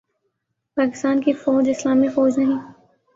پاکستان کی فوج اسلامی فوج نہیں